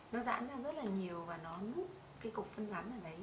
nó dãn ra rất nhiều và nó múc cục phân rắn ở đấy